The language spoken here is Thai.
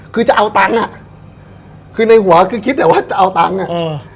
คือจะเอาตังค์อ่ะคือในหัวคือคิดแต่ว่าจะเอาตังค์อ่ะเออ